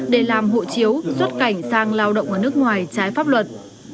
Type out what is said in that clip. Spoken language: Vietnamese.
để làm hộ chiếu xuất cảnh sang lao động ở nước ngoài trái pháp luật